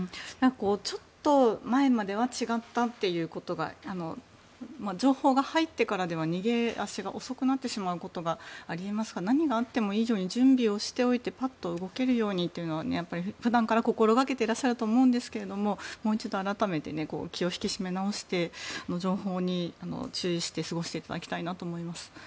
ちょっと前までは違ったということが情報が入ってからでは逃げ足が遅くなってしまうことがあり得ますから何があってもいいように準備をしておいてぱっと動けるようにというのを普段から心掛けていらっしゃると思いますがもう一度改めて気を引き締め直して情報に注意して過ごしていただきたいと思います。